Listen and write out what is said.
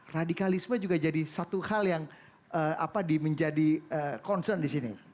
radikalisme juga jadi satu hal yang menjadi concern di sini